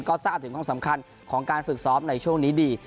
ก็ทราบถึงห้องสำคัญของการฝึกซ้อมในช่วงนี้ดี